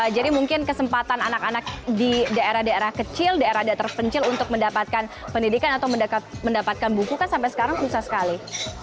jadi mungkin kesempatan anak anak di daerah daerah kecil daerah daerah terpencil untuk mendapatkan pendidikan atau mendapatkan buku kan sampai sekarang susah sekali